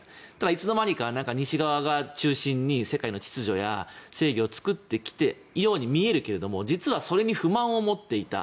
いつの間にか西側が中心に世界の秩序や正義を作ってきているように見えるけども実はそれに不満を持っていた。